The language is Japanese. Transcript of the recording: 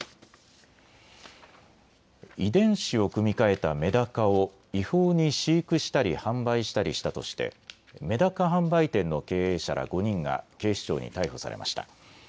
遺伝子を組み換えたメダカを違法に飼育したり販売したりしたとしてメダカ販売店の経営者ら５人が警視庁に逮捕されました。